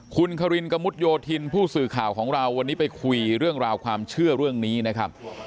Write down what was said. คุณคารินกระมุดโยธินผู้สื่อข่าวของเราวันนี้ไปคุยเรื่องราวความเชื่อเรื่องนี้นะครับ